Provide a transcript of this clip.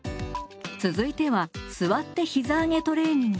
続いては「座ってひざ上げトレーニング」。